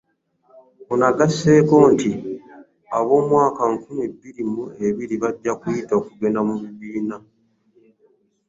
Ono agasseeko nti ab'omwaka nkumi bbiri mu abiri bajja kuyita okugenda mu bibiina